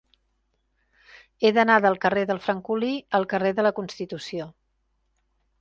He d'anar del carrer del Francolí al carrer de la Constitució.